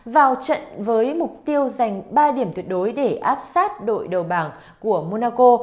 vào trận với mục tiêu giành ba điểm tuyệt đối để áp sát đội đầu bảng của monaco